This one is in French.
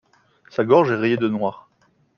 Sa gorge est rayée de noir.